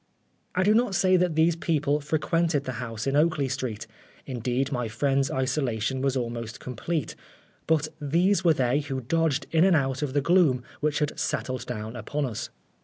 I do not say that these people frequented 165 Oscar Wilde the house in Oakley Street indeed, my friend's isolation was almost complete but these were they who dodged in and out of the gloom which had settled down upon us.